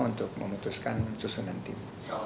untuk memutuskan susunan tim